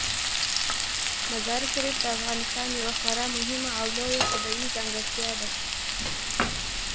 مزارشریف د افغانستان یوه خورا مهمه او لویه طبیعي ځانګړتیا ده.